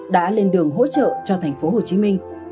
đã lên đường hỗ trợ cho thành phố hồ chí minh